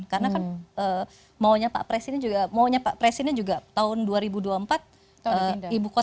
karena kan maunya pak presiden juga tahun dua ribu dua puluh empat ibu kota udah pindah